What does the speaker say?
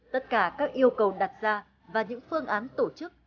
tất cả các yêu cầu đặt ra và những phương án tổ chức